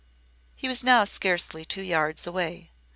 He was now scarcely two yards away.